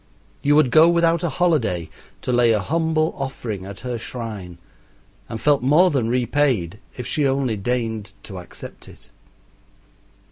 You would go without a holiday to lay a humble offering at her shrine, and felt more than repaid if she only deigned to accept it.